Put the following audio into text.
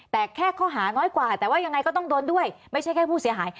แต่แค่ข้อหาน้อยกว่าแต่ว่ายังไงก็ต้องโดนด้วยไม่ใช่แค่ผู้เสียหาย